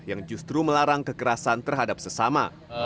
yang justru melarang kekerasan terhadap sesama